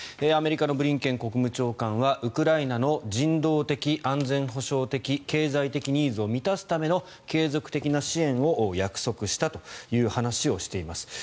アメリカのブリンケン国務長官はウクライナの人道的、安全保障的経済的ニーズを満たすための継続的な支援を約束したという話をしています。